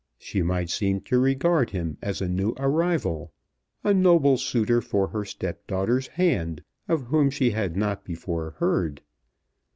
She might seem to regard him as a new arrival, a noble suitor for her stepdaughter's hand, of whom she had not before heard.